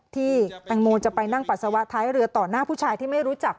แตงโมจะไปนั่งปัสสาวะท้ายเรือต่อหน้าผู้ชายที่ไม่รู้จัก